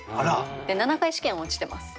で７回試験は落ちてます。